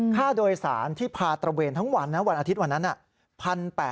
ค่าโดยสารที่พาตระเวนทั้งวันนะวันอาทิตย์วันนั้น